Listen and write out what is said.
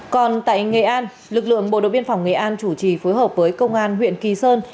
còn tại nghệ an lực lượng bộ đội biên phòng nghệ an chủ trì phối hợp với công an huyện kỳ sơn